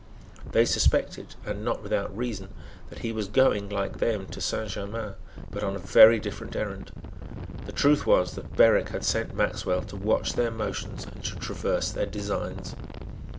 They suspected, and not without reason, that he was going, like them, to Saint Germains, but on a very different errand. The truth was that Berwick had sent Maxwell to watch their motions and to traverse their designs.